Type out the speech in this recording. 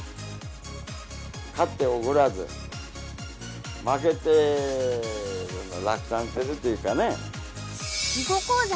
勝っておごらず負けて落胆せずっていうかね。